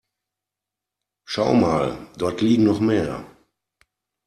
Schau mal, dort liegen noch mehr.